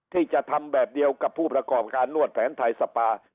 ที่จะทำแบบเดียวกับผู้ประกอบการนวดแผนไทยสปา